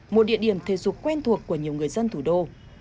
một địa điểm thể dục quen thuộc của nhiều người dân thủ đô